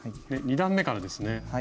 ２段めからですね。